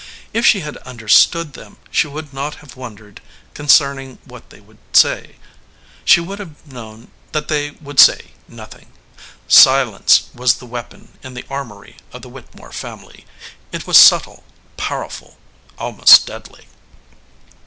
If she had understood them, she would not have won dered concerning what they would say. She would have known that they would say nothing. Silence was the weapon in the armory of the Whittemore family. It was subtle, powerful, almost deadly.